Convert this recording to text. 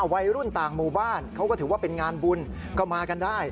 วัยรุ่นต่างหมู่บ้านเขาก็ถือว่าเป็นงานบุญก็มากันได้